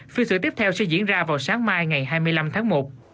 phiên xử tiếp theo sẽ diễn ra vào sáng mai ngày hai mươi năm tháng một